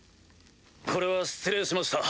これは失礼しました。